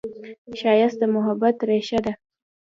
ښایست د محبت ریښه ده